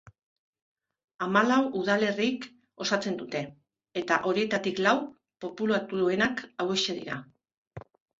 Hamalau udalerrik osatzen dute, eta horietatik lau populatuenak hauexek dira.